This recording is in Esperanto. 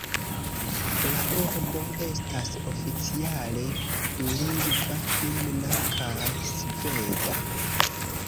La urbo estas oficiale dulingva, Finna kaj Sveda.